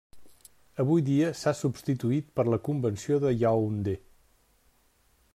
Avui dia s'ha substituït per la Convenció de Yaoundé.